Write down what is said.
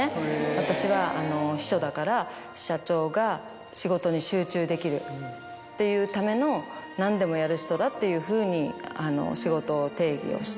私は秘書だから社長が仕事に集中できるっていうための。っていうふうに仕事を定義をして。